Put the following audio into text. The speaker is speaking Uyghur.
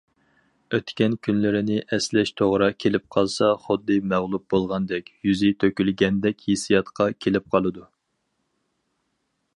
ئۆتكەن كۈنلىرىنى ئەسلەش توغرا كېلىپ قالسا خۇددى مەغلۇپ بولغاندەك، يۈزى تۆكۈلگەندەك ھېسسىياتقا كېلىپ قالىدۇ.